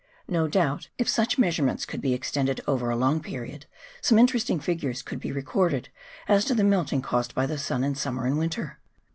No doubt, if such measurements could be extended over a long period, some interesting figures could be recorded as to the melting caused by the sun in summer and winter.